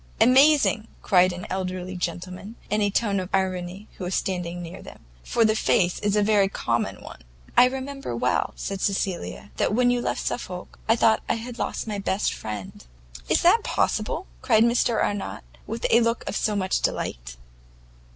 "Amazing!" cried an elderly gentleman, in a tone of irony, who was standing near them, "for the face is a very common one!" "I remember well," said Cecilia, "that when you left Suffolk I thought I had lost my best friend." "Is that possible?" cried Mr Arnott, with a look of much delight.